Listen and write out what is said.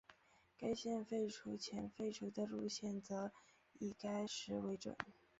该线废除前废除的路线则以该时为准。